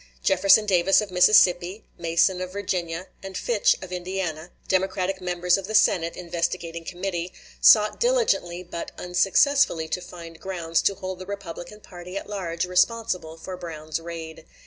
Jefferson Davis, of Mississippi; Mason, of Virginia; and Fitch, of Indiana, Democratic members of the Senate investigating committee, sought diligently but unsuccessfully to find grounds to hold the Republican party at large responsible for Brown's raid.